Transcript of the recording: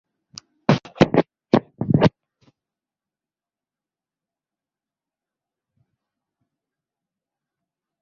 এটি ছিল বিদেশী ধর্ম রক্ষার জন্য রাশিয়ার প্রথম আইন।